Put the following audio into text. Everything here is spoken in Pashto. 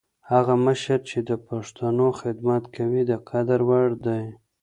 هغه مشر چي د پښتنو خدمت کوي، د قدر وړ دی.